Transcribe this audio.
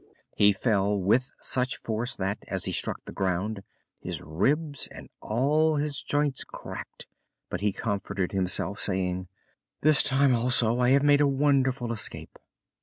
He fell with such force that, as he struck the ground, his ribs and all his joints cracked, but he comforted himself, saying: "This time also I have made a wonderful escape!"